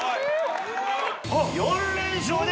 ４連勝で。